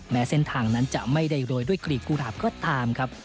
แม้เส้นทางนั้นจะไม่ได้โรยด้วยกลีบกุหลาบก็ตามครับ